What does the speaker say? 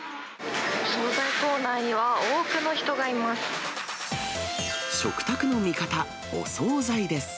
総菜コーナーには多くの人が食卓の味方、お総菜です。